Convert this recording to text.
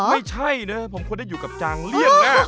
ไม่ใช่นะผมควรได้อยู่กับจางเลี่ยงมาก